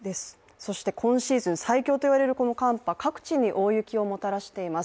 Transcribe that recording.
そして今シーズン最強と言われる寒波、各地に大雪をもたらしています。